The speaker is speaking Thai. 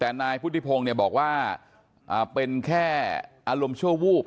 แต่นายพุทธิพงศ์เนี่ยบอกว่าเป็นแค่อารมณ์ชั่ววูบ